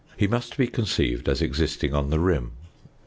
He must be conceived as existing on the rim.